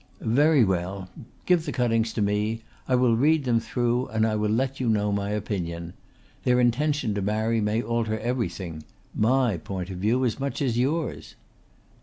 "Very well. Give the cuttings to me! I will read them through and I will let you know my opinion. Their intention to marry may alter everything my point of view as much as yours."